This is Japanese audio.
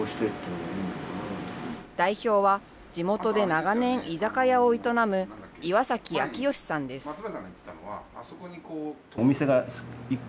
代表は、地元で長年、居酒屋を営む岩崎元吉士さんです。